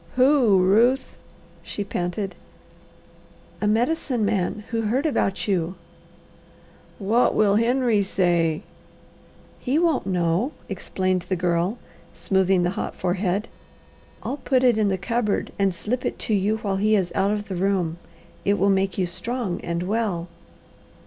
"Who, Ruth?" she panted. "A Medicine Man who heard about you." "What will Henry say?" "He won't know," explained the Girl, smoothing the hot forehead. "I'll put it in the cupboard, and slip it to you while he is out of the room. It will make you strong and well."